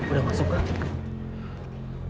udah masuk kang